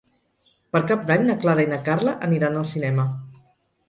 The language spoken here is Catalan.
Per Cap d'Any na Clara i na Carla aniran al cinema.